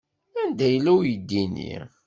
Anda yella uydi-nni?